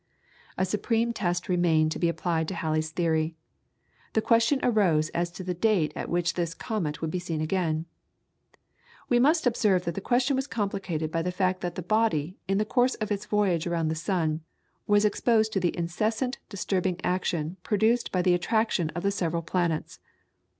A supreme test remained to be applied to Halley's theory. The question arose as to the date at which this comet would be seen again. We must observe that the question was complicated by the fact that the body, in the course of its voyage around the sun, was exposed to the incessant disturbing action produced by the attraction of the several planets.